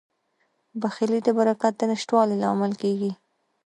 بخیلي د برکت د نشتوالي لامل کیږي.